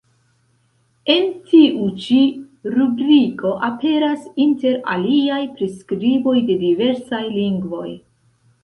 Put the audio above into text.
En tiu ĉi rubriko aperas, inter aliaj, priskriboj de diversaj lingvoj.